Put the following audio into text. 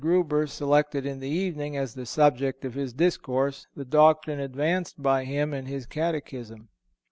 Grueber selected in the evening, as the subject of his discourse, the doctrine advanced by him in his catechism.